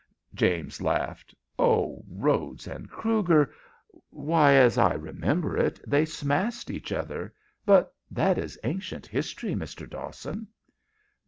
James laughed. "Oh, Rhodes and Krüger! Why, as I remember it, they smashed each other. But that is ancient history, Mr. Dawson."